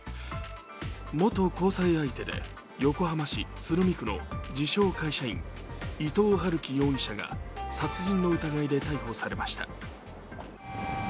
元交際相手で横浜市鶴見区の自称・会社員伊藤龍稀容疑者が殺人の疑いで逮捕されました。